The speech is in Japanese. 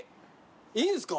いいんですか？